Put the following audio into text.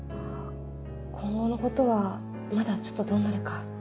今後のことはまだちょっとどうなるか。